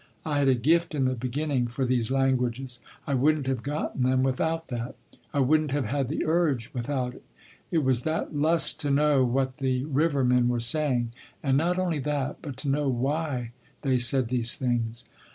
I had a gift in the beginning for these languages. I wouldn’t have gotten them without that. I wouldn’t have had the urge without it. It was that lust to know what the river men were saying, and not only that, but to know why they said these things.